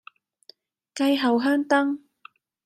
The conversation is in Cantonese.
繼後香燈